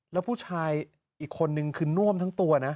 แล้วผู้ชายอีกคนนึงคือน่วมทั้งตัวนะ